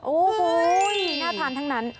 โอ้โหน่าทานทั้งนั้น